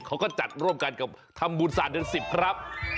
เค้าอาศัยจัดร่วมกันกับธรรมบุญศาสตร์ใน๑๐ครับ